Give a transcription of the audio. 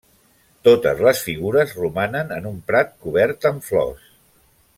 Totes les figures romanen en un prat cobert amb flors.